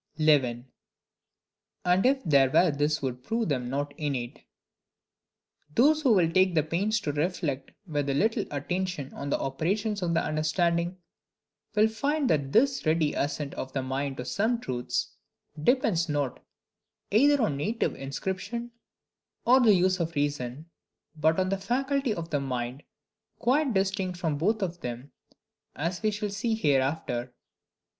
11. And if there were this would prove them not innate. Those who will take the pains to reflect with a little attention on the operations of the understanding, will find that this ready assent of the mind to some truths, depends not, either on native inscription, or the use of reason, but on a faculty of the mind quite distinct from both of them, as we shall see hereafter.